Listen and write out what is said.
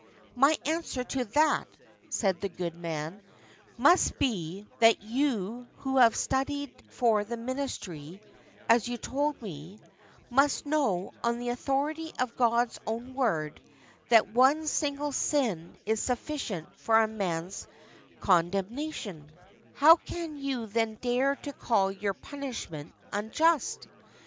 'My answer to that,' said the good man, 'must be, that you who have studied for the ministry, as you told me, must know, on the authority of God's own word, that one single sin is sufficient for a man's condemnation; how can you then dare to call your punishment unjust?